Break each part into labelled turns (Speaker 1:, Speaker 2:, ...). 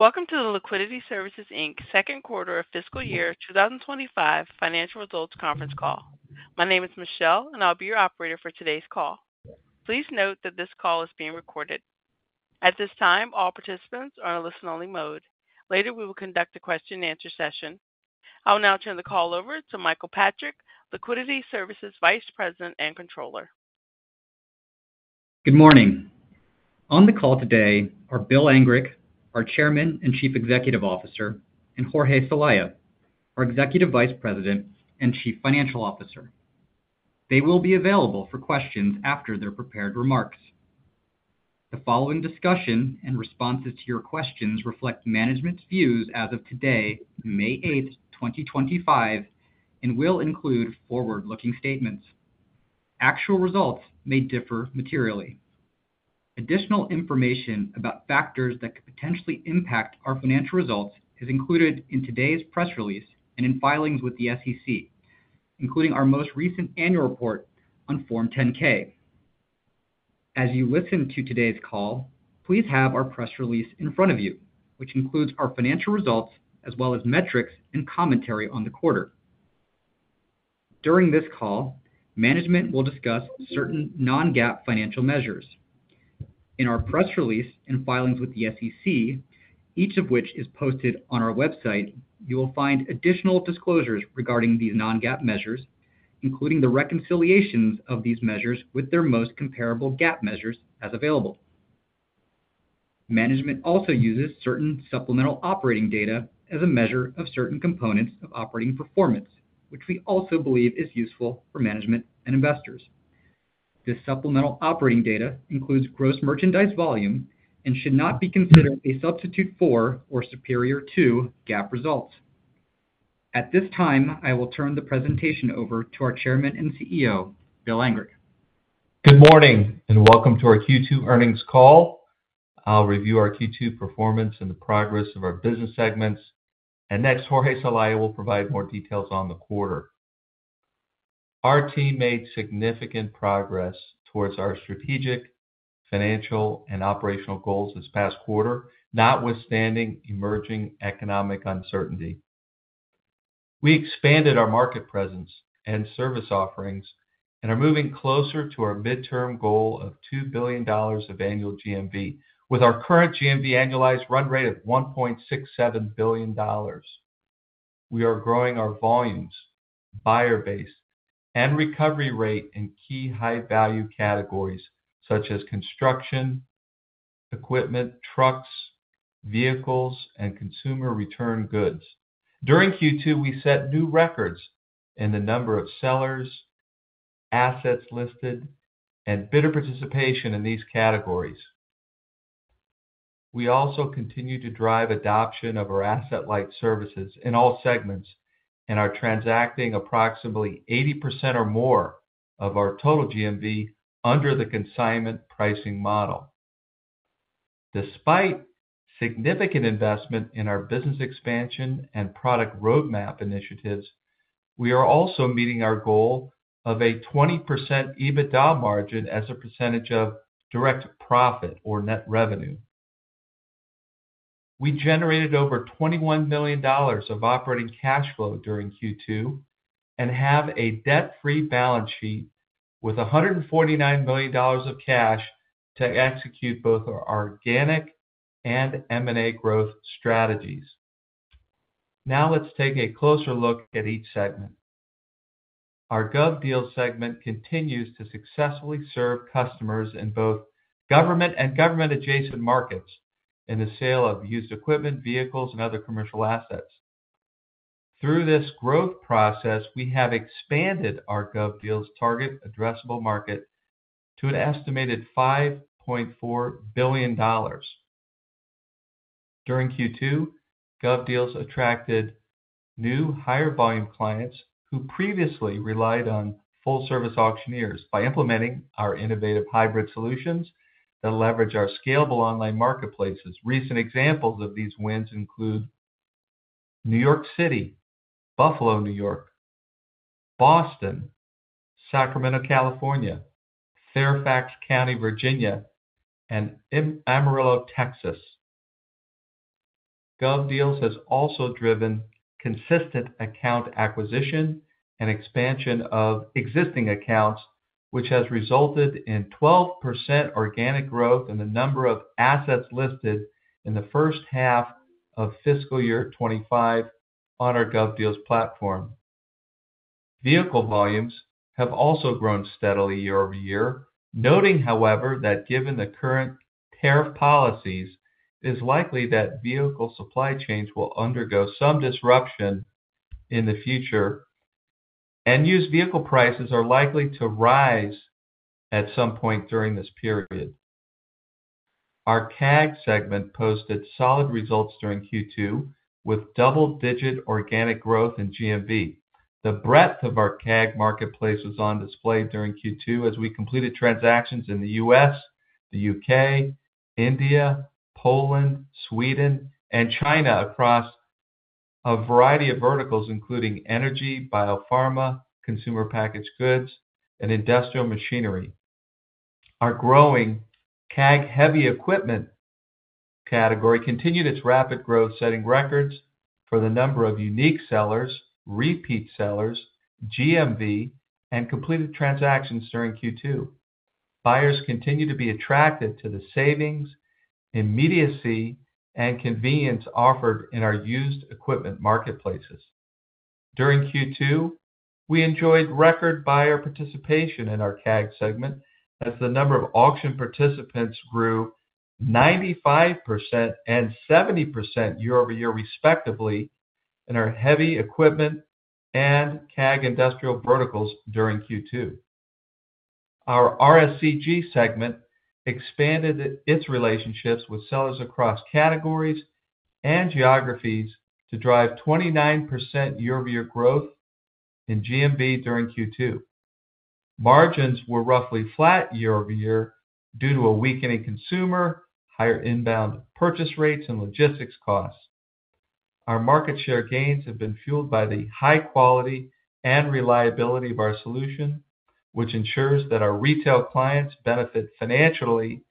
Speaker 1: Welcome to the Liquidity Services Second Quarter of Fiscal Year 2025 Financial Results Conference Call. My name is Michelle, and I'll be your operator for today's call. Please note that this call is being recorded. At this time, all participants are in a listen-only mode. Later, we will conduct a question-and-answer session. I will now turn the call over to Michael Patrick, Liquidity Services Vice President and Controller.
Speaker 2: Good morning. On the call today are Bill Angrick, our Chairman and Chief Executive Officer, and Jorge Celaya, our Executive Vice President and Chief Financial Officer. They will be available for questions after their prepared remarks. The following discussion and responses to your questions reflect management's views as of today, May 8th, 2025, and will include forward-looking statements. Actual results may differ materially. Additional information about factors that could potentially impact our financial results is included in today's press release and in filings with the SEC, including our most recent annual report on Form 10-K. As you listen to today's call, please have our press release in front of you, which includes our financial results as well as metrics and commentary on the quarter. During this call, management will discuss certain non-GAAP financial measures. In our press release and filings with the SEC, each of which is posted on our website, you will find additional disclosures regarding these non-GAAP measures, including the reconciliations of these measures with their most comparable GAAP measures as available. Management also uses certain supplemental operating data as a measure of certain components of operating performance, which we also believe is useful for management and investors. This supplemental operating data includes gross merchandise volume and should not be considered a substitute for or superior to GAAP results. At this time, I will turn the presentation over to our Chairman and CEO, Bill Angrick.
Speaker 3: Good morning and welcome to our Q2 earnings call. I'll review our Q2 performance and the progress of our business segments. Next, Jorge Celaya will provide more details on the quarter. Our team made significant progress towards our strategic, financial, and operational goals this past quarter, notwithstanding emerging economic uncertainty. We expanded our market presence and service offerings and are moving closer to our midterm goal of $2 billion of annual GMV with our current GMV annualized run rate of $1.67 billion. We are growing our volumes, buyer base, and recovery rate in key high-value categories such as construction, equipment, trucks, vehicles, and consumer return goods. During Q2, we set new records in the number of sellers, assets listed, and bidder participation in these categories. We also continue to drive adoption of our asset-light services in all segments and are transacting approximately 80% or more of our total GMV under the consignment pricing model. Despite significant investment in our business expansion and product roadmap initiatives, we are also meeting our goal of a 20% EBITDA margin as a percentage of direct profit or net revenue. We generated over $21 million of operating cash flow during Q2 and have a debt-free balance sheet with $149 million of cash to execute both our organic and M&A growth strategies. Now let's take a closer look at each segment. Our GovDeals segment continues to successfully serve customers in both government and government-adjacent markets in the sale of used equipment, vehicles, and other commercial assets. Through this growth process, we have expanded our GovDeals target addressable market to an estimated $5.4 billion. During Q2, GovDeals attracted new higher-volume clients who previously relied on full-service auctioneers by implementing our innovative hybrid solutions that leverage our scalable online marketplaces. Recent examples of these wins include New York City, Buffalo, New York, Boston, Sacramento, California, Fairfax County, Virginia, and Amarillo, Texas. GovDeals has also driven consistent account acquisition and expansion of existing accounts, which has resulted in 12% organic growth in the number of assets listed in the first half of fiscal year 2025 on our GovDeals platform. Vehicle volumes have also grown steadily year over year. Noting, however, that given the current tariff policies, it is likely that vehicle supply chains will undergo some disruption in the future, and used vehicle prices are likely to rise at some point during this period. Our CAG segment posted solid results during Q2 with double-digit organic growth in GMV. The breadth of our CAG Marketplace was on display during Q2 as we completed transactions in the U.S., the U.K., India, Poland, Sweden, and China across a variety of verticals, including energy, biopharma, consumer packaged goods, and industrial machinery. Our growing CAG-heavy equipment category continued its rapid growth, setting records for the number of unique sellers, repeat sellers, GMV, and completed transactions during Q2. Buyers continue to be attracted to the savings, immediacy, and convenience offered in our used equipment marketplaces. During Q2, we enjoyed record buyer participation in our CAG segment as the number of auction participants grew 95% and 70% year over year, respectively, in our heavy equipment and CAG industrial verticals during Q2. Our RSCG segment expanded its relationships with sellers across categories and geographies to drive 29% year-over-year growth in GMV during Q2. Margins were roughly flat year over year due to a weakening consumer, higher inbound purchase rates, and logistics costs. Our market share gains have been fueled by the high quality and reliability of our solution, which ensures that our retail clients benefit financially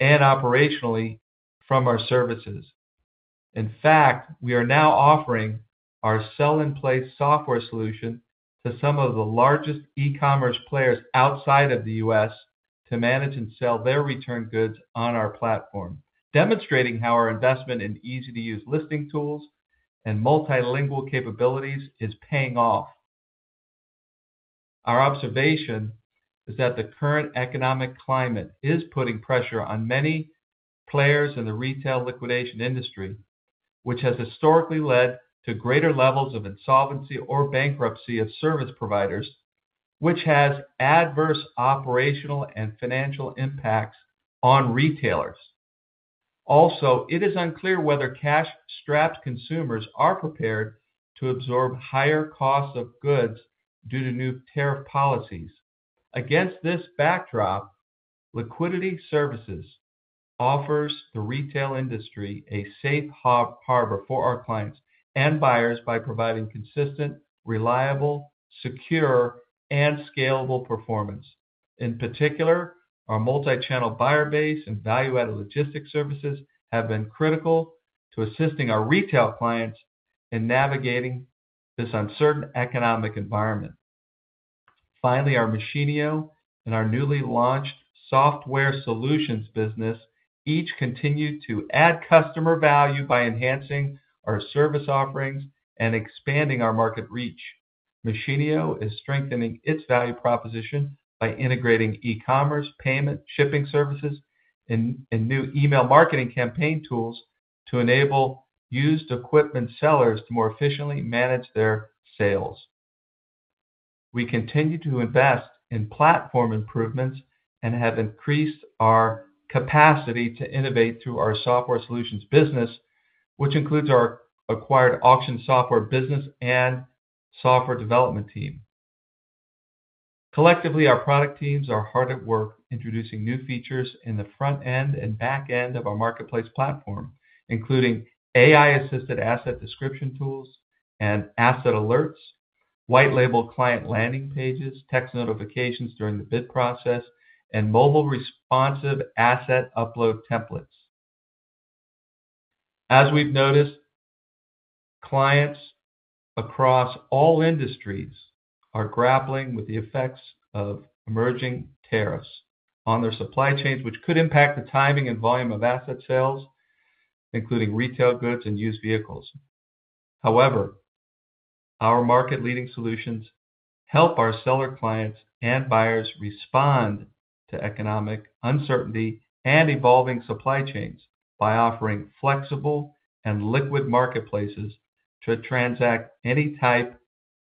Speaker 3: and operationally from our services. In fact, we are now offering our sell-in-place software solution to some of the largest e-commerce players outside of the U.S. to manage and sell their return goods on our platform, demonstrating how our investment in easy-to-use listing tools and multilingual capabilities is paying off. Our observation is that the current economic climate is putting pressure on many players in the retail liquidation industry, which has historically led to greater levels of insolvency or bankruptcy of service providers, which has adverse operational and financial impacts on retailers. Also, it is unclear whether cash-strapped consumers are prepared to absorb higher costs of goods due to new tariff policies. Against this backdrop, Liquidity Services offers the retail industry a safe harbor for our clients and buyers by providing consistent, reliable, secure, and scalable performance. In particular, our multichannel buyer base and value-added logistics services have been critical to assisting our retail clients in navigating this uncertain economic environment. Finally, our Machine and our newly launched Software Solutions Business each continue to add customer value by enhancing our service offerings and expanding our market reach. Machine is strengthening its value proposition by integrating e-commerce, payment, shipping services, and new email marketing campaign tools to enable used equipment sellers to more efficiently manage their sales. We continue to invest in platform improvements and have increased our capacity to innovate through our software solutions business, which includes our acquired auction software business and software development team. Collectively, our product teams are hard at work introducing new features in the front end and back end of our marketplace platform, including AI-assisted asset description tools and asset alerts, white-label client landing pages, text notifications during the bid process, and mobile responsive asset upload templates. As we've noticed, clients across all industries are grappling with the effects of emerging tariffs on their supply chains, which could impact the timing and volume of asset sales, including retail goods and used vehicles. However, our market-leading solutions help our seller clients and buyers respond to economic uncertainty and evolving supply chains by offering flexible and liquid marketplaces to transact any type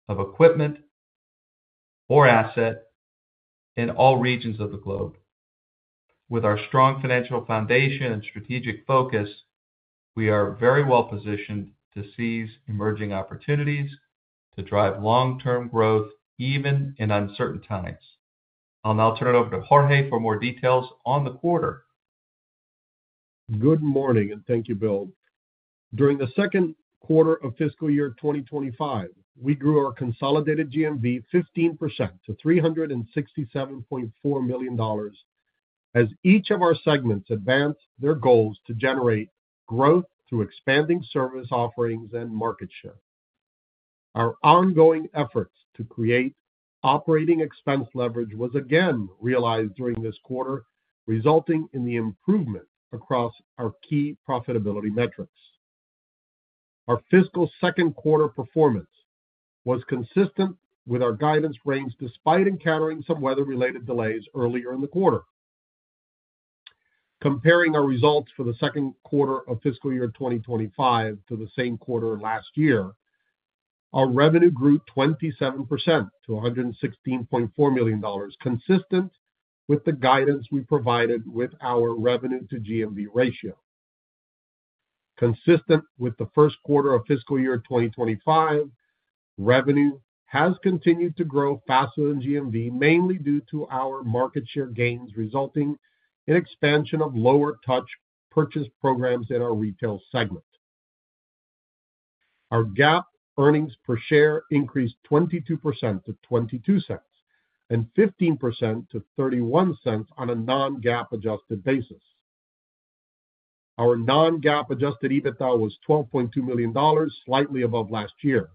Speaker 3: of equipment or asset in all regions of the globe. With our strong financial foundation and strategic focus, we are very well positioned to seize emerging opportunities to drive long-term growth even in uncertain times. I'll now turn it over to Jorge for more details on the quarter.
Speaker 4: Good morning, and thank you, Bill. During the second quarter of fiscal year 2025, we grew our consolidated GMV 15% to $367.4 million as each of our segments advanced their goals to generate growth through expanding service offerings and market share. Our ongoing efforts to create operating expense leverage was again realized during this quarter, resulting in the improvement across our key profitability metrics. Our fiscal second quarter performance was consistent with our guidance range despite encountering some weather-related delays earlier in the quarter. Comparing our results for the second quarter of fiscal year 2025 to the same quarter last year, our revenue grew 27% to $116.4 million, consistent with the guidance we provided with our revenue-to-GMV ratio. Consistent with the first quarter of fiscal year 2025, revenue has continued to grow faster than GMV, mainly due to our market share gains resulting in expansion of lower-touch purchase programs in our retail segment. Our GAAP earnings per share increased 22% to $0.22 and 15% to $0.31 on a non-GAAP adjusted basis. Our non-GAAP adjusted EBITDA was $12.2 million, slightly above last year.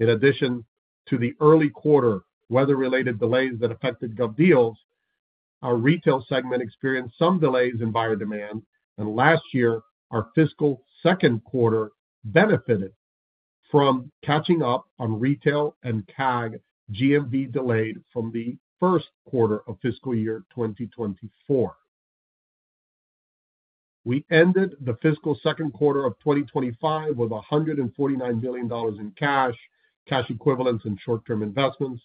Speaker 4: In addition to the early quarter weather-related delays that affected GovDeals, our retail segment experienced some delays in buyer demand, and last year, our fiscal second quarter benefited from catching up on retail and CAG GMV delayed from the first quarter of fiscal year 2024. We ended the fiscal second quarter of 2025 with $149 million in cash, cash equivalents, and short-term investments.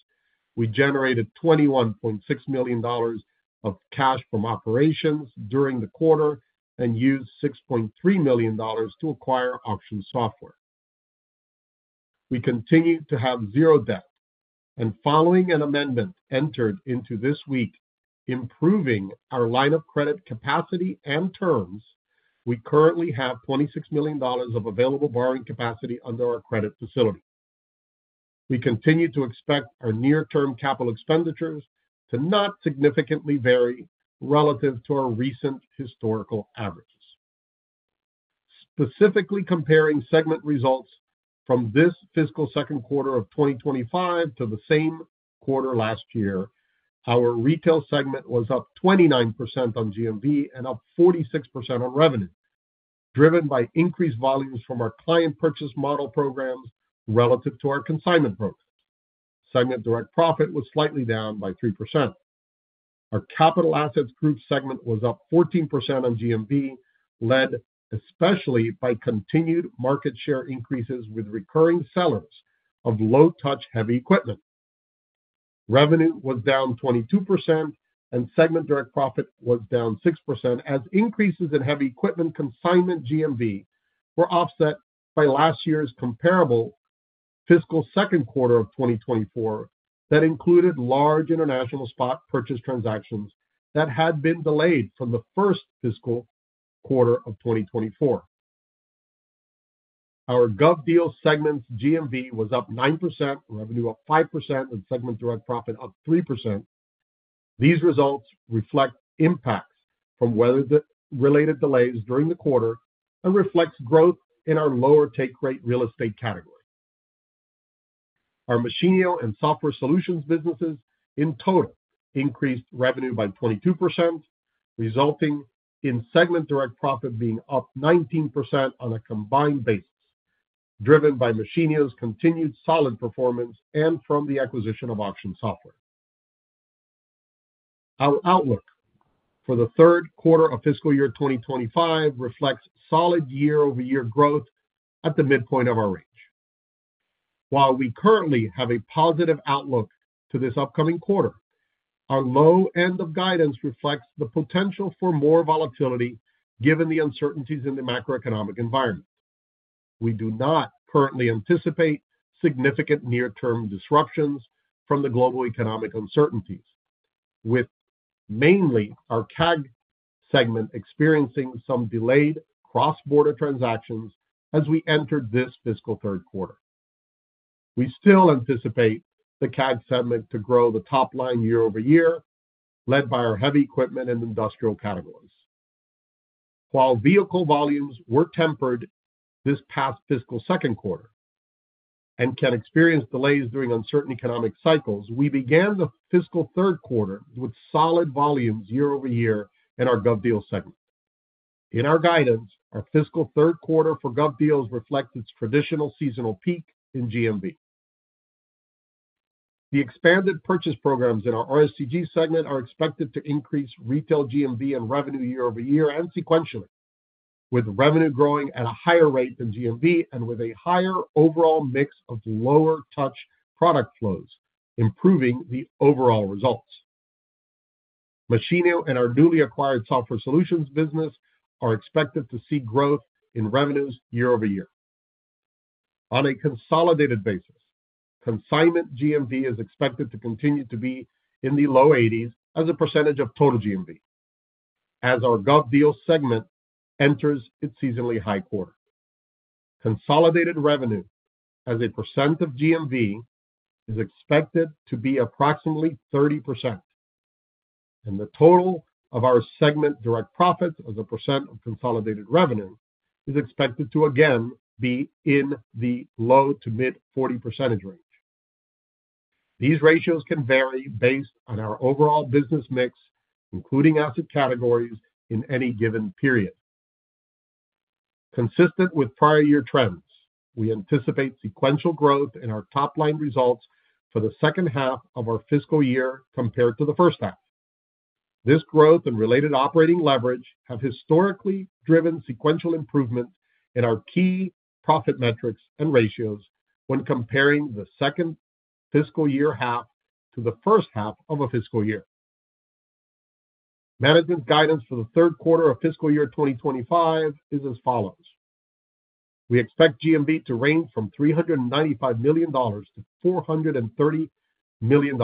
Speaker 4: We generated $21.6 million of cash from operations during the quarter and used $6.3 million to acquire Auction Software. We continue to have zero debt, and following an amendment entered into this week improving our line of credit capacity and terms, we currently have $26 million of available borrowing capacity under our credit facility. We continue to expect our near-term capital expenditures to not significantly vary relative to our recent historical averages. Specifically comparing segment results from this fiscal second quarter of 2025 to the same quarter last year, our retail segment was up 29% on GMV and up 46% on revenue, driven by increased volumes from our client purchase model programs relative to our consignment programs. Segment direct profit was slightly down by 3%. Our capital assets group segment was up 14% on GMV, led especially by continued market share increases with recurring sellers of low-touch heavy equipment. Revenue was down 22%, and segment direct profit was down 6%, as increases in heavy equipment consignment GMV were offset by last year's comparable fiscal second quarter of 2024 that included large international spot purchase transactions that had been delayed from the first fiscal quarter of 2024. Our GovDeals segment's GMV was up 9%, revenue up 5%, and segment direct profit up 3%. These results reflect impacts from weather-related delays during the quarter and reflect growth in our lower take rate real estate category. Our Machinio and software solutions businesses in total increased revenue by 22%, resulting in segment direct profit being up 19% on a combined basis, driven by Machinio's continued solid performance and from the acquisition of Auction Software. Our outlook for the third quarter of fiscal year 2025 reflects solid year-over-year growth at the midpoint of our range. While we currently have a positive outlook to this upcoming quarter, our low end of guidance reflects the potential for more volatility given the uncertainties in the macroeconomic environment. We do not currently anticipate significant near-term disruptions from the global economic uncertainties, with mainly our CAG segment experiencing some delayed cross-border transactions as we entered this fiscal third quarter. We still anticipate the CAG segment to grow the top line year over year, led by our heavy equipment and industrial categories. While vehicle volumes were tempered this past fiscal second quarter and can experience delays during uncertain economic cycles, we began the fiscal third quarter with solid volumes year over year in our GovDeals segment. In our guidance, our fiscal third quarter for GovDeals reflects its traditional seasonal peak in GMV. The expanded purchase programs in our RSCG segment are expected to increase retail GMV and revenue year over year and sequentially, with revenue growing at a higher rate than GMV and with a higher overall mix of lower-touch product flows, improving the overall results. Machine and our newly acquired software solutions business are expected to see growth in revenues year over year. On a consolidated basis, consignment GMV is expected to continue to be in the low 80s as a percentage of total GMV, as our GovDeals segment enters its seasonally high quarter. Consolidated revenue as a percent of GMV is expected to be approximately 30%, and the total of our segment direct profits as a percent of consolidated revenue is expected to again be in the low to mid 40% range. These ratios can vary based on our overall business mix, including asset categories in any given period. Consistent with prior year trends, we anticipate sequential growth in our top line results for the second half of our fiscal year compared to the first half. This growth and related operating leverage have historically driven sequential improvement in our key profit metrics and ratios when comparing the second fiscal year half to the first half of a fiscal year. Management guidance for the third quarter of fiscal year 2025 is as follows. We expect GMV to range from $395 million-$430 million.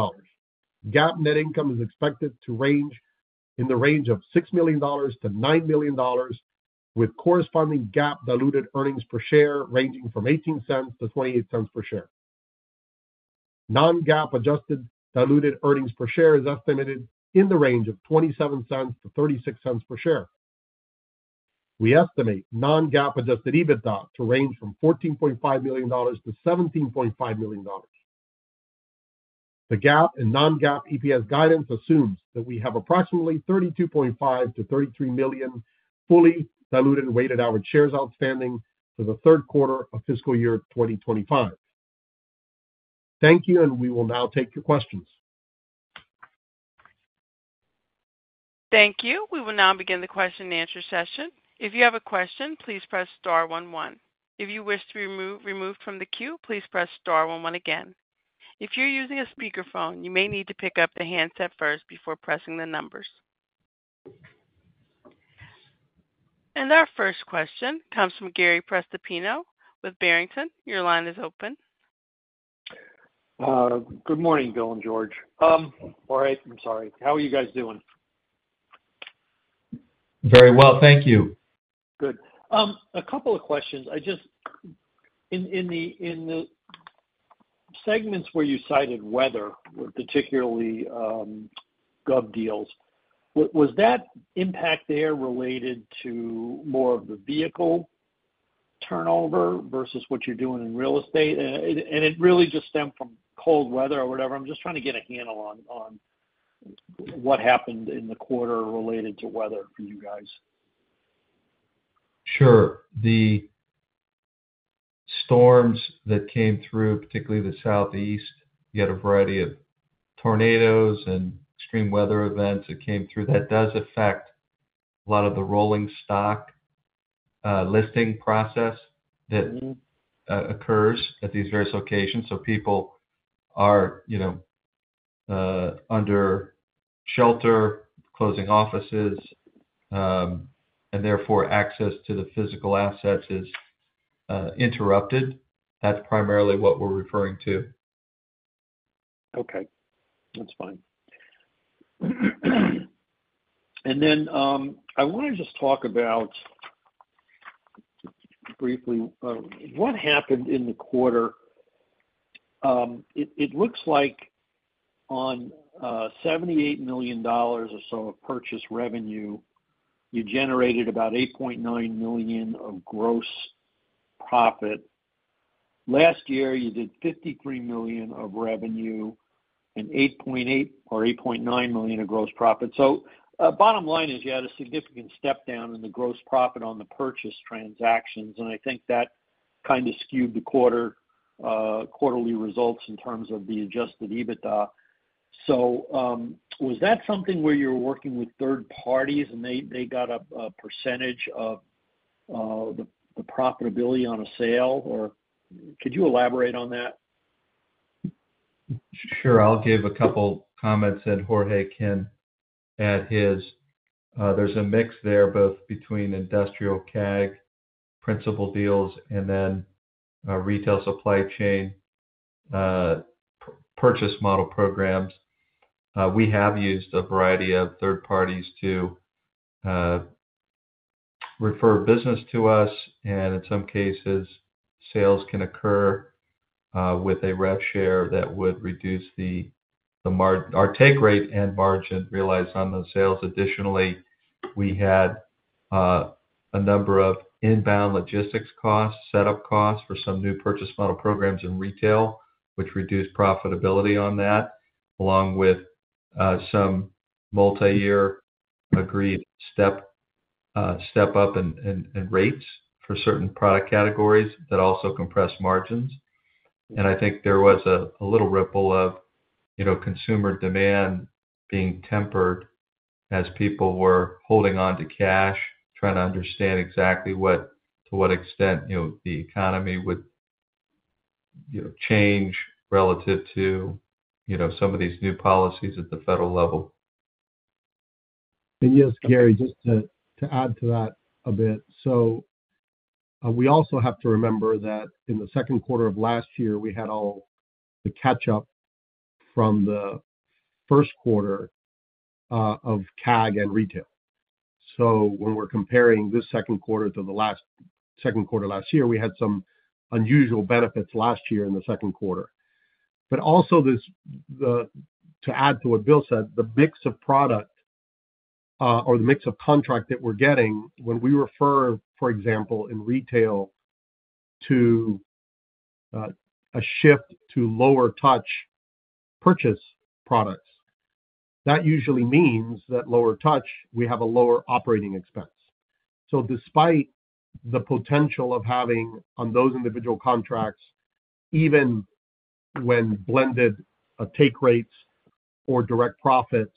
Speaker 4: GAAP net income is expected to range in the range of $6 million-$9 million, with corresponding GAAP diluted earnings per share ranging from $0.18-$0.28 per share. Non-GAAP adjusted diluted earnings per share is estimated in the range of $0.27-$0.36 per share. We estimate non-GAAP adjusted EBITDA to range from $14.5 million-$17.5 million. The GAAP and non-GAAP EPS guidance assumes that we have approximately 32.5-33 million fully diluted weighted average shares outstanding for the third quarter of fiscal year 2025. Thank you, and we will now take your questions.
Speaker 1: Thank you. We will now begin the question and answer session. If you have a question, please press star one one. If you wish to be removed from the queue, please press star one one again. If you're using a speakerphone, you may need to pick up the handset first before pressing the numbers. Our first question comes from Gary Prestipino with Barrington. Your line is open.
Speaker 5: Good morning, Bill and George. Jorge, I'm sorry. How are you guys doing?
Speaker 3: Very well, thank you.
Speaker 5: Good. A couple of questions. In the segments where you cited weather, particularly GovDeals, was that impact there related to more of the vehicle turnover versus what you're doing in real estate? It really just stemmed from cold weather or whatever. I'm just trying to get a handle on what happened in the quarter related to weather for you guys.
Speaker 3: Sure. The storms that came through, particularly the Southeast, you had a variety of tornadoes and extreme weather events that came through. That does affect a lot of the rolling stock listing process that occurs at these various locations. People are under shelter, closing offices, and therefore access to the physical assets is interrupted. That is primarily what we're referring to.
Speaker 5: Okay. That's fine. I want to just talk about briefly what happened in the quarter. It looks like on $78 million or so of purchase revenue, you generated about $8.9 million of gross profit. Last year, you did $53 million of revenue and $8.8 or $8.9 million of gross profit. Bottom line is you had a significant step down in the gross profit on the purchase transactions, and I think that kind of skewed the quarterly results in terms of the adjusted EBITDA. Was that something where you were working with third parties and they got a percentage of the profitability on a sale, or could you elaborate on that?
Speaker 3: Sure. I'll give a couple of comments that Jorge can add his. There's a mix there both between industrial CAG principal deals and then retail supply chain purchase model programs. We have used a variety of third parties to refer business to us, and in some cases, sales can occur with a rev share that would reduce our take rate and margin realized on those sales. Additionally, we had a number of inbound logistics costs, setup costs for some new purchase model programs in retail, which reduced profitability on that, along with some multi-year agreed step-up in rates for certain product categories that also compress margins. I think there was a little ripple of consumer demand being tempered as people were holding on to cash, trying to understand exactly to what extent the economy would change relative to some of these new policies at the federal level.
Speaker 4: Yes, Gary, just to add to that a bit. We also have to remember that in the second quarter of last year, we had all the catch-up from the first quarter of CAG and retail. When we are comparing this second quarter to the last second quarter last year, we had some unusual benefits last year in the second quarter. Also, to add to what Bill said, the mix of product or the mix of contract that we are getting when we refer, for example, in retail to a shift to lower-touch purchase products, that usually means that lower touch, we have a lower operating expense. Despite the potential of having on those individual contracts, even when blended take rates or direct profits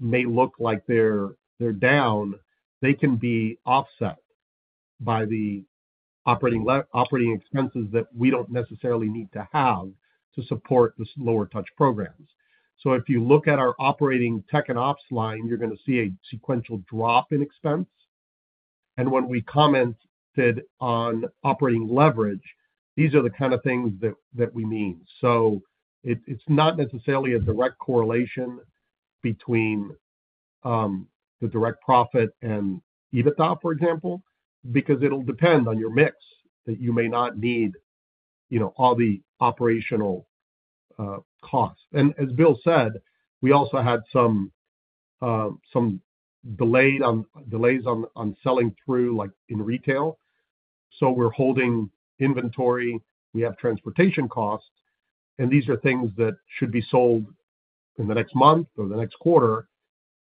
Speaker 4: may look like they're down, they can be offset by the operating expenses that we don't necessarily need to have to support the lower-touch programs. If you look at our operating tech and ops line, you're going to see a sequential drop in expense. When we commented on operating leverage, these are the kind of things that we mean. It's not necessarily a direct correlation between the direct profit and EBITDA, for example, because it'll depend on your mix that you may not need all the operational costs. As Bill said, we also had some delays on selling through in retail. We're holding inventory. We have transportation costs, and these are things that should be sold in the next month or the next quarter,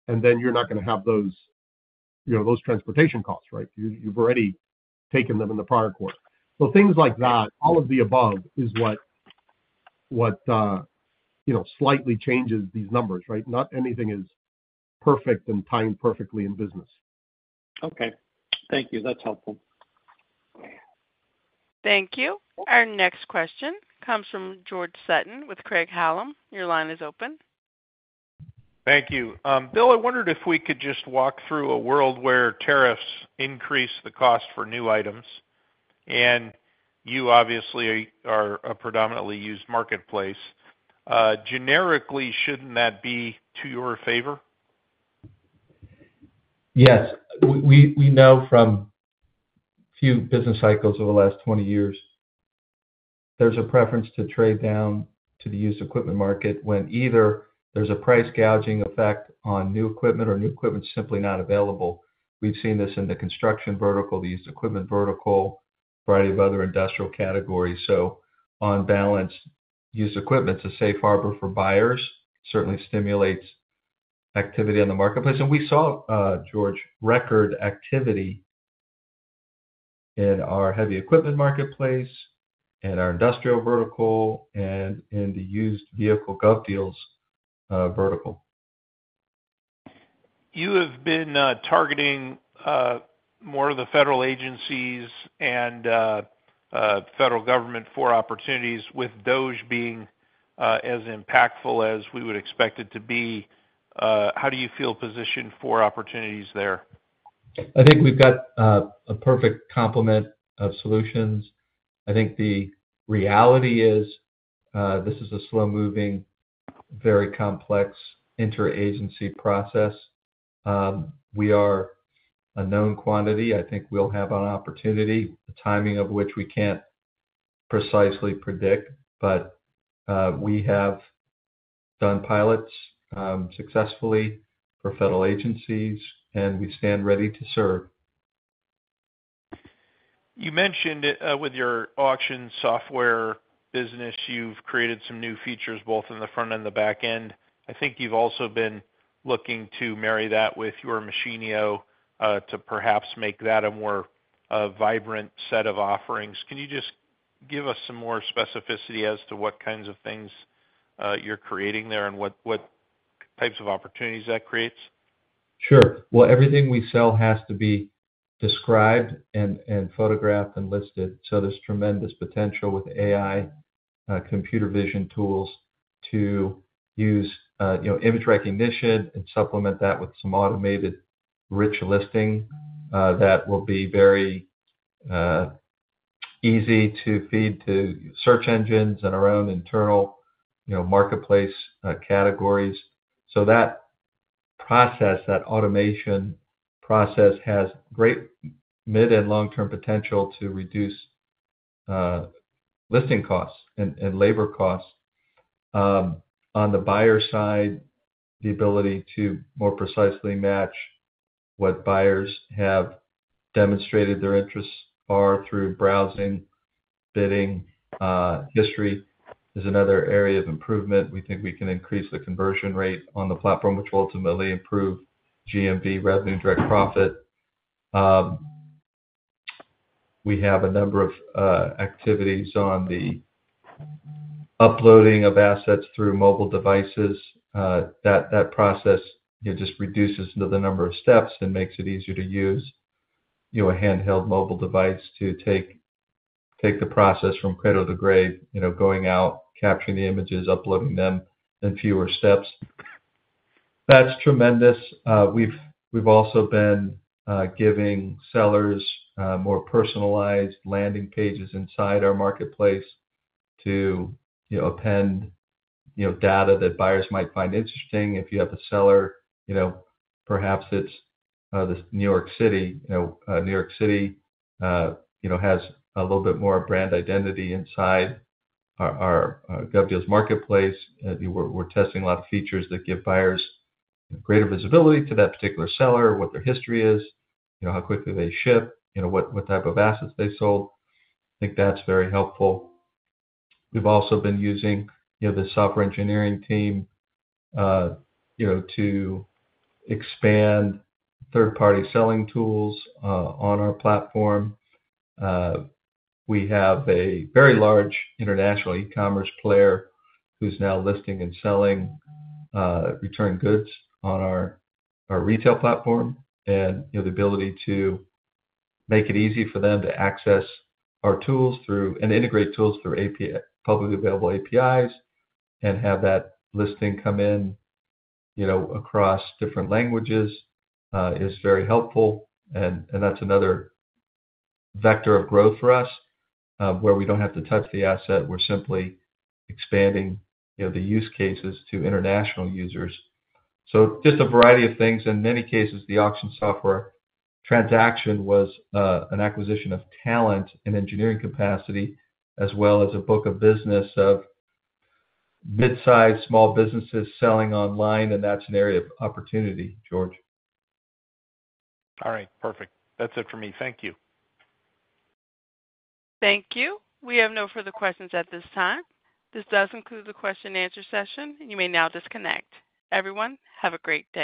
Speaker 4: and then you're not going to have those transportation costs, right? You've already taken them in the prior quarter. Things like that, all of the above is what slightly changes these numbers, right? Not anything is perfect and timed perfectly in business.
Speaker 5: Okay. Thank you. That's helpful.
Speaker 1: Thank you. Our next question comes from George Sutton with Craig-Hallum. Your line is open.
Speaker 6: Thank you. Bill, I wondered if we could just walk through a world where tariffs increase the cost for new items, and you obviously are a predominantly used marketplace. Generically, should not that be to your favor?
Speaker 3: Yes. We know from a few business cycles over the last 20 years, there is a preference to trade down to the used equipment market when either there is a price gouging effect on new equipment or new equipment is simply not available. We have seen this in the construction vertical, the used equipment vertical, a variety of other industrial categories. On balance, used equipment is a safe harbor for buyers. It certainly stimulates activity on the marketplace. We saw, George, record activity in our heavy equipment marketplace, in our industrial vertical, and in the used vehicle GovDeals vertical.
Speaker 6: You have been targeting more of the federal agencies and federal government for opportunities, with those being as impactful as we would expect it to be. How do you feel positioned for opportunities there?
Speaker 3: I think we've got a perfect complement of solutions. I think the reality is this is a slow-moving, very complex interagency process. We are a known quantity. I think we'll have an opportunity, the timing of which we can't precisely predict, but we have done pilots successfully for federal agencies, and we stand ready to serve.
Speaker 6: You mentioned with your auction software business, you've created some new features both in the front and the back end. I think you've also been looking to marry that with your Machine to perhaps make that a more vibrant set of offerings. Can you just give us some more specificity as to what kinds of things you're creating there and what types of opportunities that creates?
Speaker 3: Sure. Everything we sell has to be described and photographed and listed. There is tremendous potential with AI computer vision tools to use image recognition and supplement that with some automated rich listing that will be very easy to feed to search engines and our own internal marketplace categories. That process, that automation process, has great mid and long-term potential to reduce listing costs and labor costs. On the buyer side, the ability to more precisely match what buyers have demonstrated their interests are through browsing, bidding history is another area of improvement. We think we can increase the conversion rate on the platform, which will ultimately improve GMV, revenue, and direct profit. We have a number of activities on the uploading of assets through mobile devices. That process just reduces the number of steps and makes it easier to use a handheld mobile device to take the process from cradle to grave, going out, capturing the images, uploading them in fewer steps. That's tremendous. We've also been giving sellers more personalized landing pages inside our marketplace to append data that buyers might find interesting. If you have a seller, perhaps it's this New York City. New York City has a little bit more brand identity inside our GovDeals marketplace. We're testing a lot of features that give buyers greater visibility to that particular seller, what their history is, how quickly they ship, what type of assets they sold. I think that's very helpful. We've also been using the software engineering team to expand third-party selling tools on our platform. We have a very large international e-commerce player who's now listing and selling return goods on our retail platform, and the ability to make it easy for them to access our tools and integrate tools through publicly available APIs and have that listing come in across different languages is very helpful. That is another vector of growth for us where we do not have to touch the asset. We are simply expanding the use cases to international users. Just a variety of things. In many cases, the Auction Software transaction was an acquisition of talent and engineering capacity as well as a book of business of midsize small businesses selling online, and that is an area of opportunity, George.
Speaker 6: All right. Perfect. That's it for me. Thank you.
Speaker 1: Thank you. We have no further questions at this time. This does include the question-and-answer session, and you may now disconnect. Everyone, have a great day.